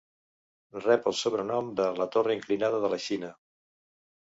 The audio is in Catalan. Rep el sobrenom de 'La torre inclinada de la Xina'.